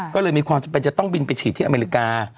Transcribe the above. ก็เลยมีความจำเป็นจะต้องบินไปฉีดที่อเมริกา